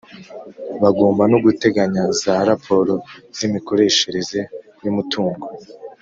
Bagomba no guteganya za raporo z’ imikoreshereze y’umutungo